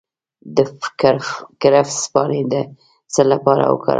د کرفس پاڼې د څه لپاره وکاروم؟